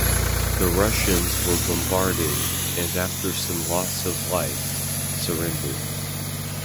The Russians were bombarded and after some loss of life, surrendered.